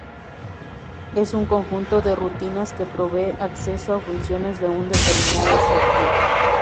Es un conjunto de rutinas que provee acceso a funciones de un determinado software.